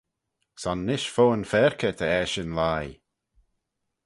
Son nish fo yn faarkey ta eshyn lhie.